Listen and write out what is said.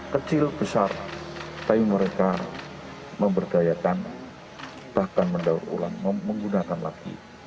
kecil besar tapi mereka memberdayakan bahkan menggunakan lagi